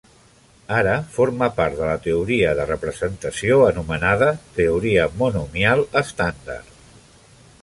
Ara forma part de la teoria de representació anomenada "teoria monomial estàndard".